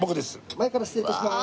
前から失礼致します。